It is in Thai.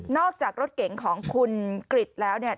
นอกจากรถเก่งของคุณกฤทธิ์แล้วเนี่ย